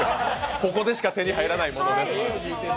ここでしか手に入らないものです。